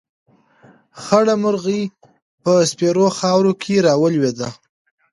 خړه مرغۍ په سپېرو خاورو کې راولوېده.